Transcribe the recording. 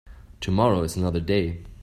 Tomorrow is another day.